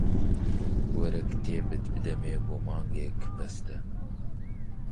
وەرە کتێبت بدەمێ بۆ مانگێک بەستە